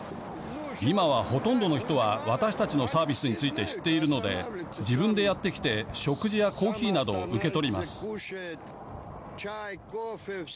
今は、ほとんどの人は私たちのサービスについて知っているので自分でやって来て食事やコーヒーなどを受け取ります。